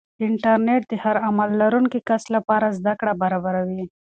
انټرنیټ د هر عمر لرونکي کس لپاره زده کړه برابروي.